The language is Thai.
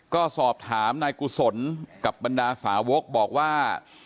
ก็สอบถามนายกุศลกับบรรดาสาวกบอกว่า